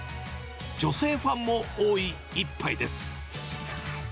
女性ファンも多い一杯です。